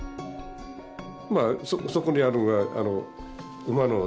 まあそこにあるのが馬の尻尾。